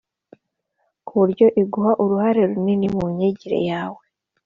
ku buryo iguha uruhare runini mu myigire yawe